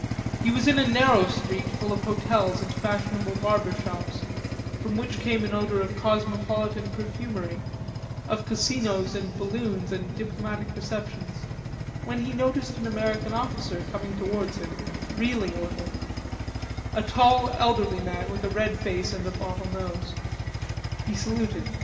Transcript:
He was in a narrow street full of hotels and fashionable barber shops, from which came an odor of cosmopolitan perfumery, of casinos and ballrooms and diplomatic receptions, when he noticed an American officer coming towards him, reeling a little, a tall, elderly man with a red face and a bottle nose. He saluted.